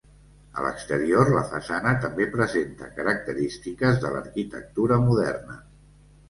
A l'exterior la façana també presenta característiques de l'arquitectura moderna.